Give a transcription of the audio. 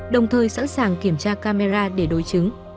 đồng thời sẵn sàng kiểm tra camera để đối chứng